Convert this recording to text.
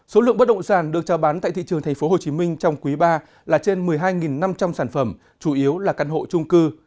số lượng bất động sản được trao bán tại thị trường tp hcm trong quý ba là trên một mươi hai năm trăm linh sản phẩm chủ yếu là căn hộ trung cư